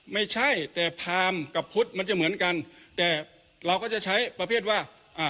ไม่ใช่แต่พรามกับพุทธมันจะเหมือนกันแต่เราก็จะใช้ประเภทว่าอ่า